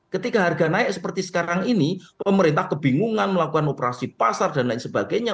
ketika harga naik seperti sekarang ini pemerintah kebingungan melakukan operasi pasar dan lain sebagainya